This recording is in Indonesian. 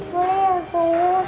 boleh ya bu